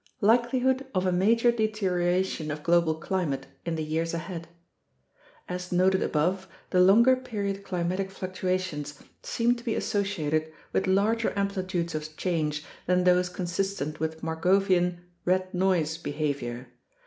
Likelihood of a Major Deterioration of Global Climate in the Years Ahead As noted above, the longer period climatic fluctuations seem to be associated with larger amplitudes of change than those consistent with Markovian "red noise" behavior.